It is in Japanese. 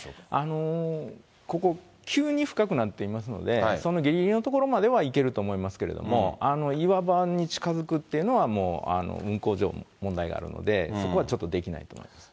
ここ、急に深くなっていますので、そのぎりぎりの所までは行けると思いますけども、岩場に近づくっていうのは、もう運航上問題があるので、そこはちょっとできないと思います。